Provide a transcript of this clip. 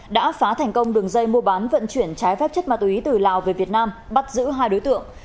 đã phá thành công đường dây mua bán vận chuyển trái phép chất ma túy từ lào về việt nam bắt giữ hai đối tượng